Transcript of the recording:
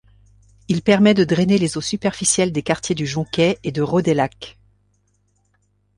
Il permet de drainer les eaux superficielles des quartiers du Jonquet et de Rodeilhac.